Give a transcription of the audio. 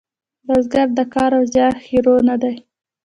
بزګر د کار او زیار هیرو نه دی